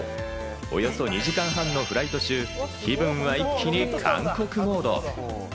およそ２時間半のフライト中、気分は一気に韓国モード！